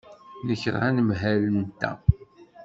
Nekṛeh anemhal-nteɣ.